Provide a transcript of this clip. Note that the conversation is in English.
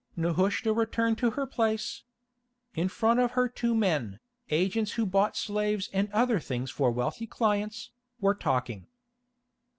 Nehushta returned to her place. In front of her two men, agents who bought slaves and other things for wealthy clients, were talking.